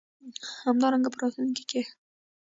همدارنګه په راتلونکې کې